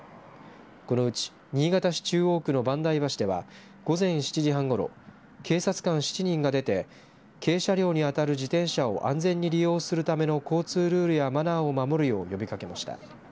このうち新潟市中央区の萬代橋では午前７時半ごろ警察官７人が出て軽車両に当たる自転車を安全に利用するための交通ルールやマナーを守るよう呼びかけました。